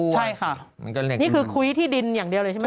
ใช่ค่ะนี่คือคุยที่ดินอย่างเดียวเลยใช่ไหม